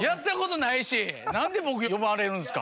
何で僕呼ばれるんすか？